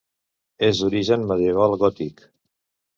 És d'origen medieval gòtic.